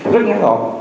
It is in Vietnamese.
rất ngắn gọn